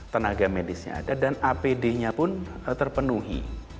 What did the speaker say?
tenaga medisnya ada dan apd nya pun terpenuhi